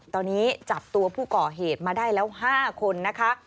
ตอนนี้จับตัวผู้ก่อเหตุมาได้แล้ว๕คนนะคะ